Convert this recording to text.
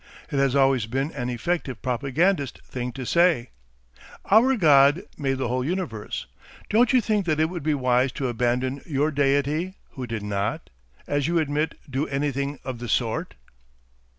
It has always been an effective propagandist thing to say: "OUR God made the whole universe. Don't you think that it would be wise to abandon YOUR deity, who did not, as you admit, do anything of the sort?"